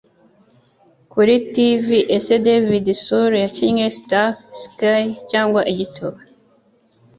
Kuri Tv Ese David Soul Yakinnye Starsky Cyangwa Igituba